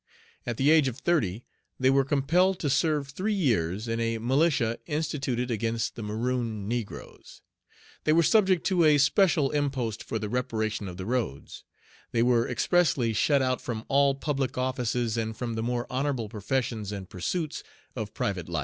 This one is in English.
At the age of thirty, they were compelled to serve three years in a militia instituted against the Maroon negroes; they were subject to a special impost for the reparation of the roads; they were expressly shut out from all public offices, and from the more honorable professions and pursuits of private life.